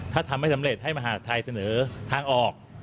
ถ้าทำไม่สำเร็จให้มหาดไทยเสนอทางออก